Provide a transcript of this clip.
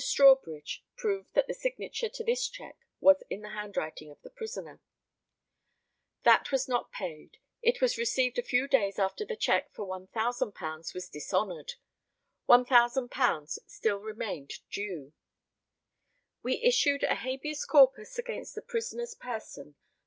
Strawbridge proved that the signature to this cheque was in the handwriting of the prisoner.] That was not paid. It was received a few days after the check for £1,000 was dishonoured. £1,000 still remained due. We issued a ca. sa. against the prisoner's person.